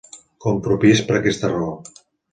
Compro pis per aquesta raó.